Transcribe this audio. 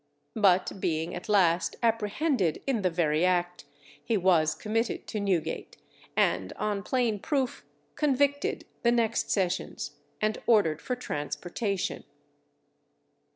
But being at last apprehended in the very act, he was committed to Newgate, and on plain proof convicted the next sessions, and ordered for transportation.